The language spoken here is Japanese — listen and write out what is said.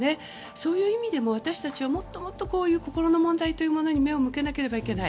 そういう意味でも私たちはもっともっと心の問題に目を向けなければいけない。